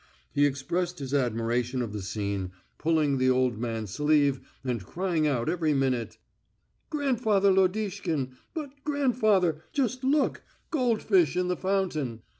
He expressed his admiration of the scene, pulling the old man's sleeve and crying out every minute: "Grandfather Lodishkin, but, grandfather, just look, goldfish in the fountain!...